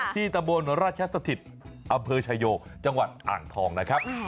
ตะบนราชสถิตอำเภอชายโยจังหวัดอ่างทองนะครับ